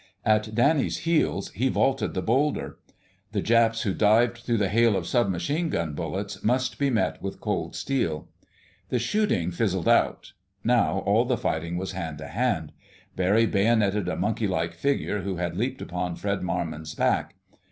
At Danny's heels he vaulted the boulder. The Japs who dived through the hail of sub machine gun bullets must be met with cold steel. The shooting fizzled out. Now all the fighting was hand to hand. Barry bayoneted a monkey like figure who had leaped upon Fred Marmon's back.